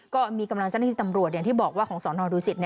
ก็มีกำลังเจ้าหน้าที่ตำรวจอย่างที่บอกว่าของสนดูสิต